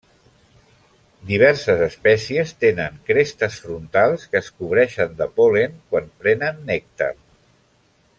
Diverses espècies tenen crestes frontals que es cobreixen de pol·len quan prenen nèctar.